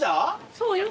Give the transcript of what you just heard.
そうよ。